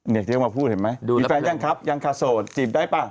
ที่เขามาพูดเห็นไหมดูมีแฟนยังครับยังค่ะโสดจีบได้ป่ะ